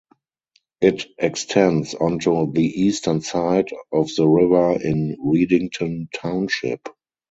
It extends onto the eastern side of the river in Readington Township.